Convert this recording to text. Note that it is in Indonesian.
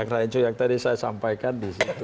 rancu yang tadi saya sampaikan disitu